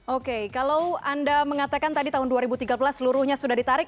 oke kalau anda mengatakan tadi tahun dua ribu tiga belas seluruhnya sudah ditarik